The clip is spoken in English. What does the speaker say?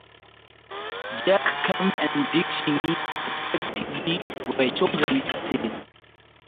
Jack Kemp and Dick Cheney, respectively, were chosen instead.